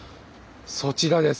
そちらです。